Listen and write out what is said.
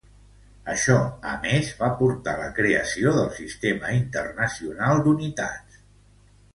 Això a més va portar a la creació del Sistema Internacional d'Unitats.